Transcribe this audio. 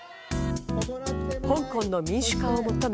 香港の民主化を求め